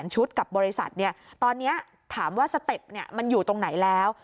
ชุดกับบริษัทตอนนี้ถามว่าสเต็ปมันอยู่ตรงไหนแล้ว